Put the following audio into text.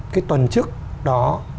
cái tuần trước đó